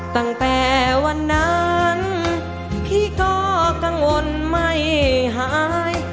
ตั้งแต่วันนั้นพี่ก็กังวลไม่หาย